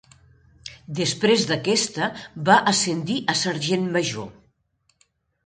Després d'aquesta, va ascendir a sergent major.